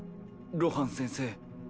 露伴先生